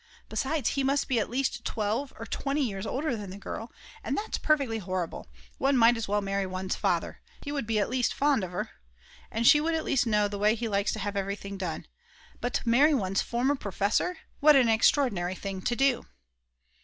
Besides, he must be at least 12 or 20 years older than the girl; and that's perfectly horrible, one might as well marry one's father; he would be at least fond of her, and she would at least know the way he likes to have everything done; but to marry one's former professor, what an extraordinary thing to do!